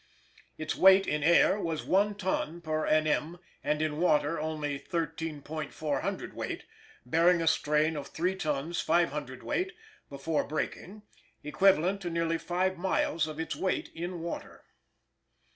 Its weight in air was 1 ton per N.M., and in water only 13.4 hundredweight, bearing a strain of 3 tons 5 hundredweight before breaking equivalent to nearly five miles of its weight in water.